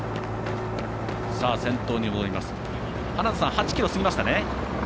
８ｋｍ過ぎましたね。